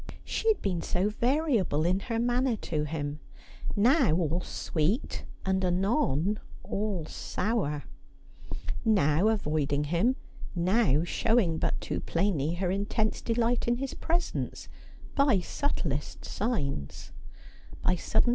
She had been so variable in her manner to him. Now all sweet, and anon all Bour ; now avoiding him, now showing but too plainly her in tense delight in his presence — by subtlest signs ; by sudden 192 Asphodel.